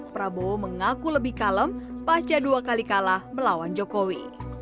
prabowo mengaku lebih kalem pasca dua kali kalah melawan jokowi